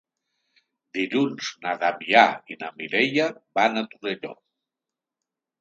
Dilluns na Damià i na Mireia van a Torelló.